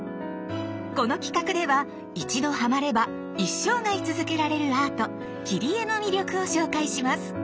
この企画では一度ハマれば一生涯続けられるアート「切り絵」の魅力を紹介します。